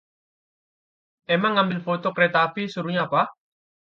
Emang ngambil foto kereta api serunya apa?